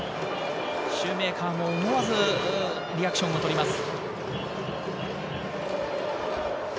シューメーカーも思わずリアクションをとります。